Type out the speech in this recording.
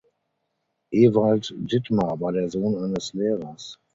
Ewald Dittmar war der Sohn eines Lehrers.